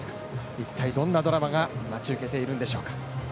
一体、どんなドラマが待ち受けているんでしょうか。